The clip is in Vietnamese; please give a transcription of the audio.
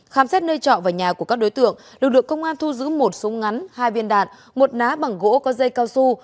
khám xét nơi trọ và nhà của các đối tượng lực lượng công an thu giữ một súng ngắn hai viên đạn một ná bằng gỗ có dây cao su